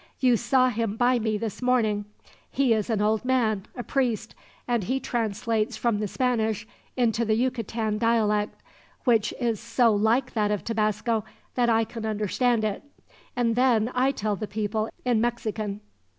You saw him by me this morning he is an old man, a priest; and he translates from the Spanish into the Yucatan dialect, which is so like that of Tabasco that I can understand it, and then I tell the people in Mexican.